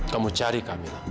kamu cari kamila